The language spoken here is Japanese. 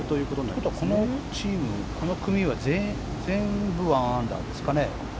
ただこのチーム、この組は全部１アンダーですかね